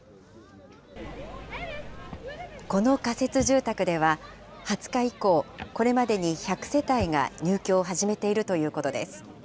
この仮設住宅では、２０日以降、これまでに１００世帯が入居を始めているということです。